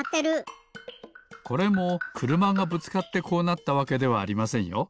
これもくるまがぶつかってこうなったわけではありませんよ。